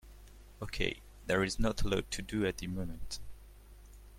Okay, there is not a lot to do at the moment.